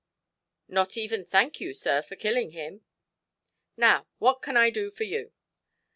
"Not even thank you, sir, for killing him. And now what can I do for you"?